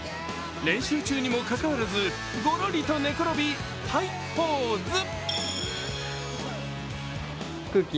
練習中にもかかわらずごろりと寝転び、はいポーズ。